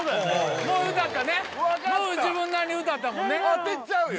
もう歌ったねもう自分なりに歌ったもんね当てちゃうよ！